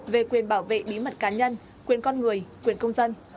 về quyền bảo vệ bí mật cá nhân quyền con người quyền công dân